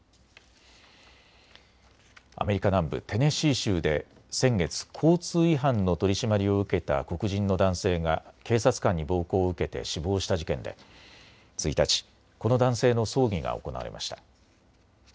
アメリカ南部テネシー州で先月、交通違反の取締りを受けた黒人の男性が警察官に暴行を受けて死亡した事件で１日、この男性の葬儀が行われました。